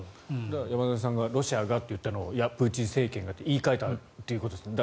山添さんがロシアがと言ったのをプーチン政権と言い換えたということですね。